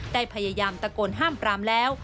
ได้พยายามตะโกนห้ามปรามแล้ว